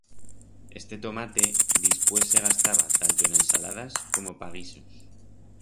Este tomate dispués se gastaba tanto en ensaladas como pa guisos.